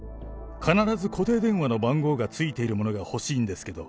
必ず固定電話の番号がついているものが欲しいんですけど。